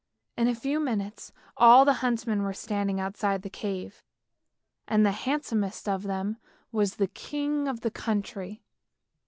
In a few minutes all the huntsmen were standing outside the cave, and the handsomest of them was the king of the country.